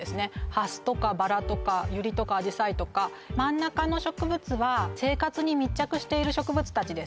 ハスとかバラとかユリとかアジサイとか真ん中の植物は生活に密着している植物たちです